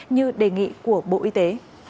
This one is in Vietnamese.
như đề nghị của bộ y tế